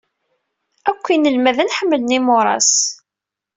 Akk inelmaden ḥemmlen imuras.